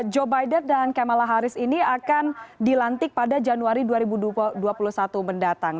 joe biden dan kamala harris ini akan dilantik pada januari dua ribu dua puluh satu mendatang